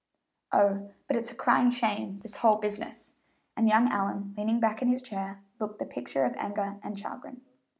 "Oh, but it's a crying shame, this whole business!" and young Allyn, leaning back in his chair, looked the picture of anger and chagrin.